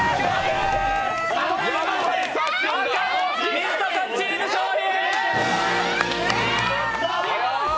水田さんチーム勝利。